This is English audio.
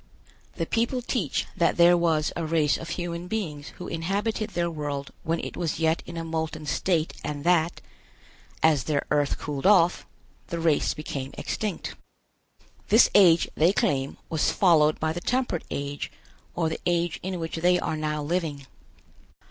The people teach that there was a race of human beings who inhabited their world when it was yet in a molten state and that, as their earth cooled off, the race became extinct. This age, they claim, was followed by the Temperate Age, or the age in which they are now living.